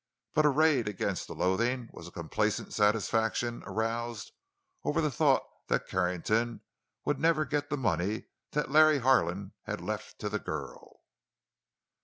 But arrayed against the loathing was a complacent satisfaction aroused over the thought that Carrington would never get the money that Larry Harlan had left to the girl.